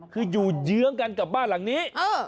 คืออยู่เยื้องกันกับบ้านหลังนี้